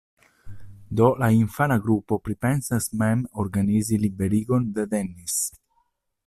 Do la infana grupo pripensas mem organizi liberigon de Dennis.